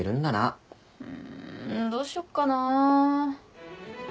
んどうしよっかなぁ。